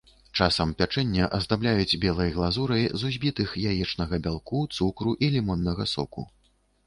Часам пячэнне аздабляюць белай глазурай з узбітых яечнага бялку, цукру і лімоннага соку.